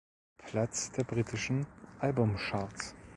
Platz der britischen Albumcharts.